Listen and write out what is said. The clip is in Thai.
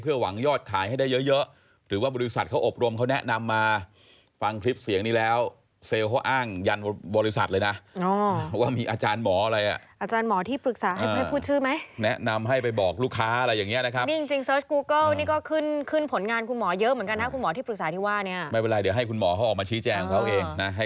เพื่อหวังยอดขายให้ได้เยอะหรือว่าบริษัทเขาอบรมเขานัดนำมาฟังคลิปเสียงนี้แล้วเซลเขาอ้างยันบริษัทเลยนะอ๋อ